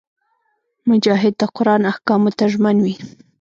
مجاهد د قران احکامو ته ژمن وي.